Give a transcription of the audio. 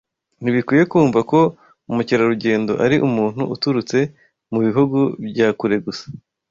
Ntibikwiye kumva ko umukerarugendo ari umuntu uturutse mu bihugu bya kure gusa